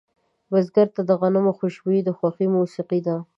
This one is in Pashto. بزګر ته د غنمو خوشبويي د خوښې موسیقي ده